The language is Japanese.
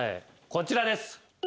こちらです。